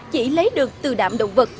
chỉ lấy được từ đạm động vật